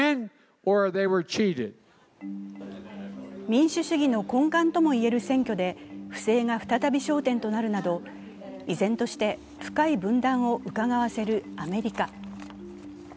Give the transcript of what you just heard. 民主主義の根幹ともいえる選挙で不正が再び焦点となるなど依然として深い分断をうかがわせるアメリカ。